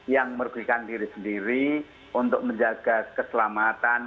yang merugikan diri sendiri untuk menjaga keselamatan